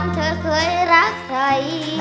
เธอเคยรักใคร